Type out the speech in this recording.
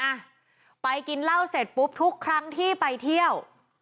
อ่ะไปกินเหล้าเสร็จปุ๊บทุกครั้งที่ไปเที่ยว